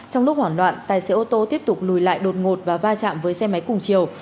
trong lúc hoảng loạn tài xế ô tô tiếp tục lùi lại đột ngột và va chạm với xe máy cùng chiều